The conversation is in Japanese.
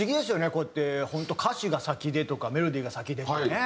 こうやって本当歌詞が先でとかメロディーが先でとかね。